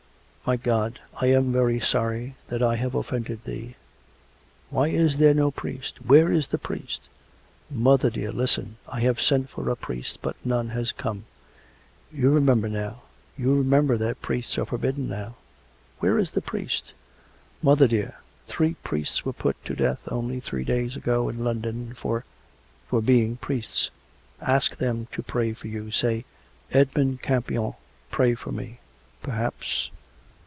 " My God — I am very sorry — that I have offended Thee." "Why is there no priest.'' ... Where is the priest.''" " Mother, dear, listen. I have sent for a priest ... but none has come. You remember now.? ... You remember that priests are forbidden now "" Where is the priest? "" Mother, dear. Three priests were put to death only three days ago in London — for ... for being priests. Ask them to pray for you. ... Say, Edmund Campion pray for me. Perhaps